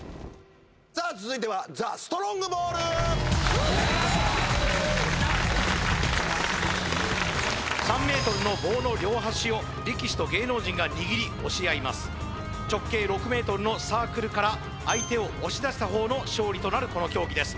さあ続いてはザ・ストロングポール３ｍの棒の両端を力士と芸能人が握り押し合います直径６ｍのサークルから相手を押し出した方の勝利となるこの競技です